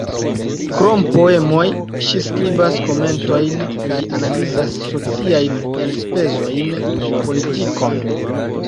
Krom poemoj ŝi skribas komentojn kaj analizas sociajn elspezojn kaj politikon.